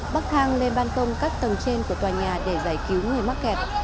bắc thang lên ban công các tầng trên của tòa nhà để giải cứu người mắc kẹt